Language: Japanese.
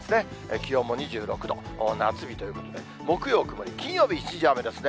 気温も２６度、夏日ということで、木曜曇り、金曜日、一時雨ですね。